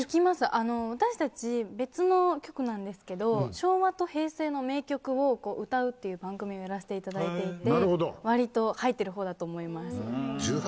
私たち別の局なんですけど昭和と平成の名曲を歌うっていう番組をやらせていただいていてわりと入ってる方だと思います。